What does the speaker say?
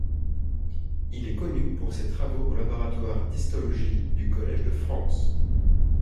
Il est connu pour ses travaux au laboratoire d'histologie du Collège de France.